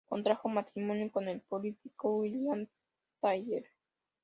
Contrajo matrimonio con el político William Thayer.